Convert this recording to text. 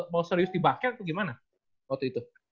mau serius di basket atau gimana waktu itu